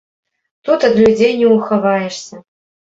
Тут ад людзей не ўхаваешся.